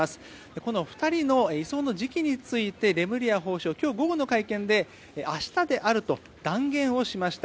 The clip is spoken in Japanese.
この２人の移送の時期についてレムリヤ法相は今日午後の会見で明日であると断言をしました。